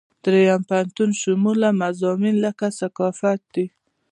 دریم پوهنتون شموله مضامین لکه ثقافت دي.